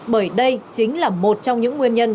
bởi đây chính là một trong những nguyên nhân